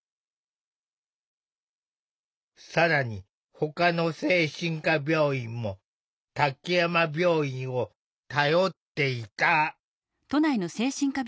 更にほかの精神科病院も滝山病院を頼っていた。